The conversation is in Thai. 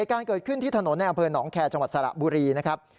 การเกิดขึ้นที่ถนนในอำเภอหนองแคร์จังหวัดสระบุรีนะครับ